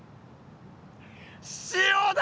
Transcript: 塩だ！